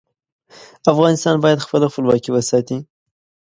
افغانستان باید خپله خپلواکي وساتي.